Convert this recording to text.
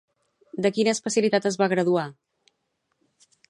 De quina especialitat es va graduar?